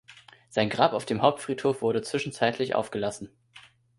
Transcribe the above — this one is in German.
Sein Grab auf dem Hauptfriedhof wurde zwischenzeitlich aufgelassen.